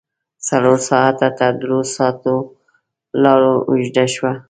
څلور ساعته تر دروساتو لار اوږده شوه.